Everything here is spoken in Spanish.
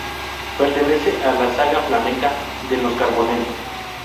Pertenece a la saga flamenca de los Carbonell.